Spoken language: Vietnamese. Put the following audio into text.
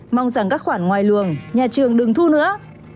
mong rằng các khoản ngoài luồng nhà trường đừng thu nữa